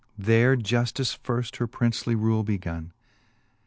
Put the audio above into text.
There juftice firft her princely rule begonne.